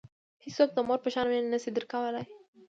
هیڅوک د مور په شان مینه نه شي درکولای.